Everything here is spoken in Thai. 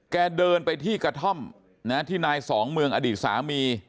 เดินไปที่กระท่อมที่นายสองเมืองอดีตสามี